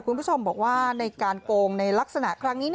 คุณผู้ชมบอกว่าในการโกงในลักษณะครั้งนี้